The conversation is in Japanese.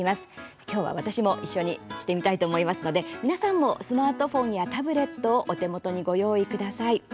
今日は私も一緒にしてみたいと思いますので皆さんもスマートフォンやタブレットをお手元にご用意ください。